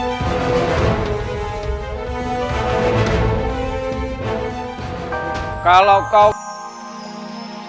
apakah halnya sudah tanpa akhir akhir ketika